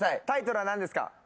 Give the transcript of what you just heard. タイトルは何ですか？